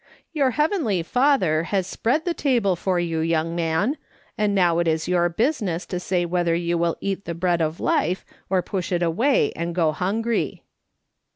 Your Heavenly Father has spread the table for you, young man, and now it is your business to say 1 "YOU ARE RIGHT, I AM A RELA TIONr 19$ whether you will eat the Bread of Life or push it away and go hungry.'